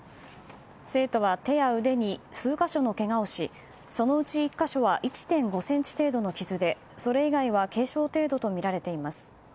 生徒は手や腕に数か所のけがをしそのうち１か所は１．５ｃｍ程度の傷でそれ以外は軽傷程度とみられています。